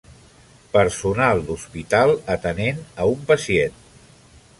Personal d'hospital atenent a un pacient.